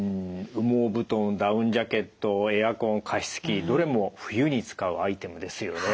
羽毛布団ダウンジャケットエアコン加湿器どれも冬に使うアイテムですよね。